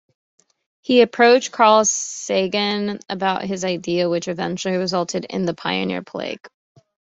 He approached Carl Sagan about his idea, which eventually resulted in the Pioneer plaque.